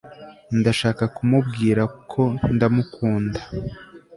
Ndashaka kumubwira ko ndamukunda